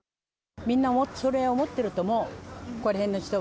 みんな、それ思ってると思う。